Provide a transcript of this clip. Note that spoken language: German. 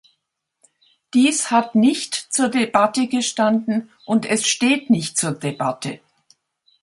Dies hat nicht zur Debatte gestanden, und es steht nicht zur Debatte.